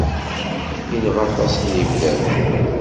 yenɣa aṭas n yimdanen.